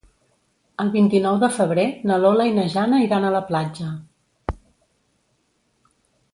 El vint-i-nou de febrer na Lola i na Jana iran a la platja.